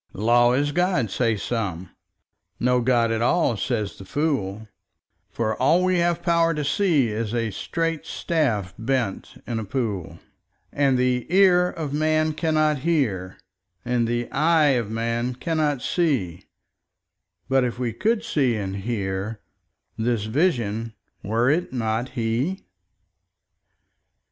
Law is God, say some: no God at all, says the fool; For all we have power to see is a straight staff bent in a pool; And the ear of man cannot hear, and the eye of man cannot see; But if we could see and hear, this Vision—were it not He?